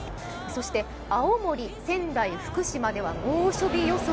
青森、仙台、福島では猛暑日予想。